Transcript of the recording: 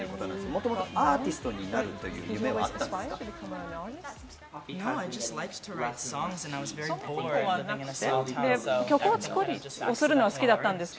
もともとアーティストになるという夢はあったんですか？